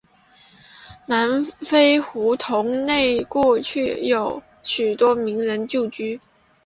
南丰胡同内过去有许多名人旧居。